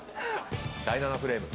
第７フレーム。